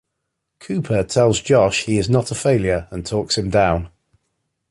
Cooper tells Josh he is not a failure and talks him down.